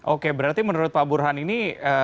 oke berarti menurut pak burhan ini